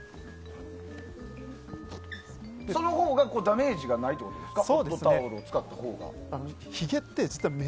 そのほうがダメージがないということですか？